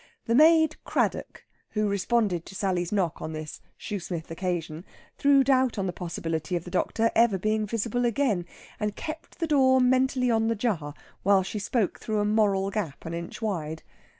The maid Craddock, who responded to Sally's knock on this Shoosmith occasion, threw doubt on the possibility of the doctor ever being visible again, and kept the door mentally on the jar while she spoke through a moral gap an inch wide.